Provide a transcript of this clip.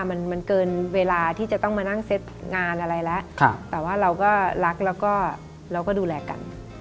เพราะว่ามันเกินเวลาที่จะมานั่งเซตงานแล้วแต่เราก็รักแล้วก็ดูแลกัน